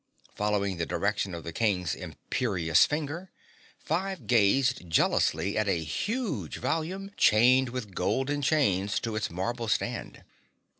Following the direction of the King's imperious finger, Five gazed jealously at a huge volume chained with golden chains to its marble stand.